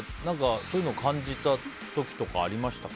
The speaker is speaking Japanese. そういうのを感じた時とかありましたか？